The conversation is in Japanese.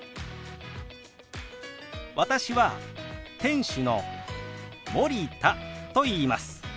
私は店主の森田といいます。